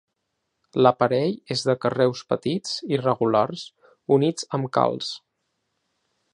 L'aparell és de carreus petits i regulars units amb calç.